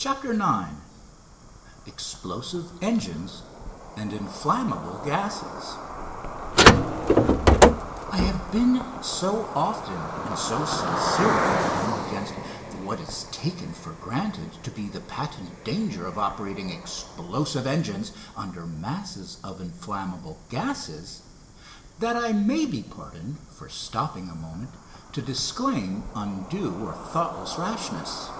CHAPTER IX EXPLOSIVE ENGINES AND INFLAMMABLE GASES I have been so often and so sincerely warned against what is taken for granted to be the patent danger of operating explosive engines under masses of inflammable gases that I may be pardoned for stopping a moment to disclaim undue or thoughtless rashness.